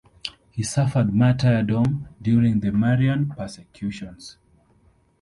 He suffered martyrdom during the Marian persecutions.